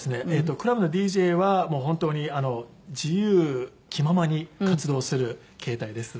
クラブのＤＪは本当に自由気ままに活動する形態です。